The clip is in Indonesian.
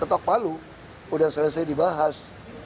ketok palu sudah selesai dibahas